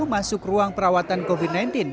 masuk ruang perawatan covid sembilan belas